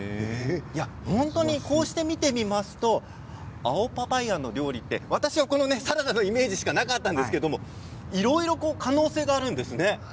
本当にこうして見てみますと青パパイアの料理って私はサラダのイメージしかなかったんですけどいろいろ可能性があるんですね。